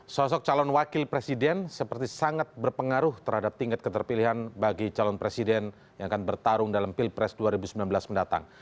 sosok calon wakil presiden seperti sangat berpengaruh terhadap tingkat keterpilihan bagi calon presiden yang akan bertarung dalam pilpres dua ribu sembilan belas mendatang